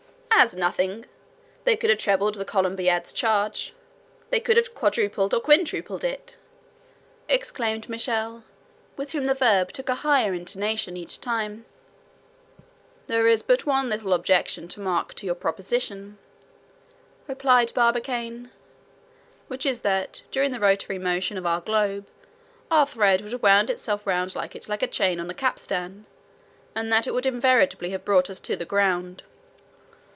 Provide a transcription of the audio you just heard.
"As nothing. They could have trebled the Columbiad's charge; they could have quadrupled or quintupled it!" exclaimed Michel, with whom the verb took a higher intonation each time. "There is but one little objection to make to your proposition," replied Barbicane, "which is that, during the rotary motion of the globe, our thread would have wound itself round it like a chain on a capstan, and that it would inevitably have brought us to the ground."